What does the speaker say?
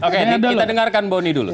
kita dengarkan boni dulu